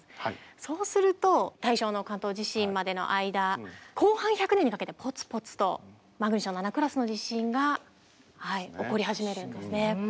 そうすると大正の関東地震までの間後半１００年にかけてぽつぽつとマグニチュード７クラスの地震が起こり始めるんですね。